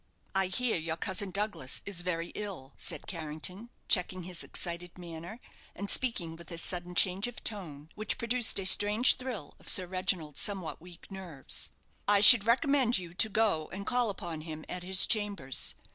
"I hear your cousin Douglas is very ill," said Carrington, checking his excited manner, and speaking with a sudden change of tone, which produced a strange thrill of Sir Reginald's somewhat weak nerves. "I should recommend you to go and call upon him at his chambers.